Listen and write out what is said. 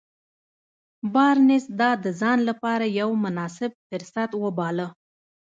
بارنس دا د ځان لپاره يو مناسب فرصت وباله.